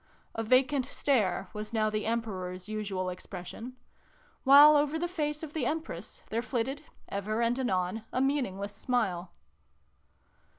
A vacant stare was now the Em peror s usual expression ; while over the face of the Empress there flitted, ever and anon, a meaningless smile.